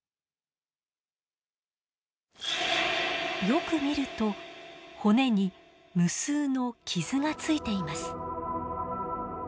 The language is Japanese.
よく見ると骨に無数の傷がついています。